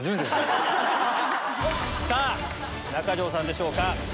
中条さんでしょうか？